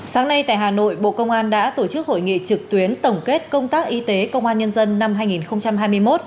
sáng nay tại hà nội bộ công an đã tổ chức hội nghị trực tuyến tổng kết công tác y tế công an nhân dân năm hai nghìn hai mươi một